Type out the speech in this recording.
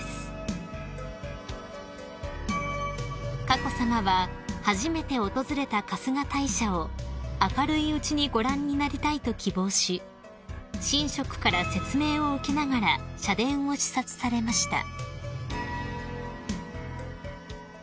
［佳子さまは初めて訪れた春日大社を明るいうちにご覧になりたいと希望し神職から説明を受けながら社殿を視察されました］